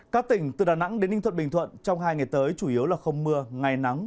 các tỉnh từ đà nẵng đến ninh thuận bình thuận trong hai ngày tới chủ yếu là không mưa ngày nắng